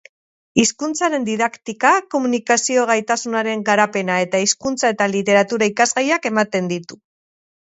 Hizkuntzaren didaktika, komunikazio-gaitasunaren garapena eta hizkuntza eta literatura ikasgaiak ematen ditu.